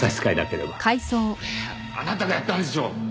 これあなたがやったんでしょう？